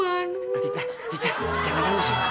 adita adita jangan naus